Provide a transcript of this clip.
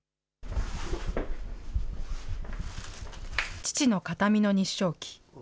父の形見の日章旗。